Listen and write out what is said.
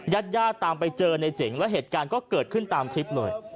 ญาติญาติตามไปเจอในเจ๋งแล้วเหตุการณ์ก็เกิดขึ้นตามคลิปเลย